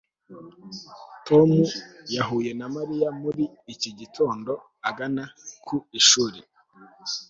tom yahuye na mariya muri iki gitondo agana ku ishuri